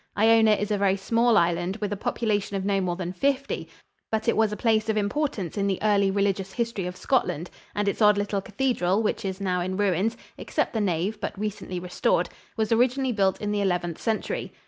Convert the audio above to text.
Iona is a very small island, with a population of no more than fifty, but it was a place of importance in the early religious history of Scotland; and its odd little cathedral, which is now in ruins except the nave, but recently restored was originally built in the Eleventh Century.